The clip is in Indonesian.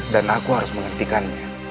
dan aku harus menghentikannya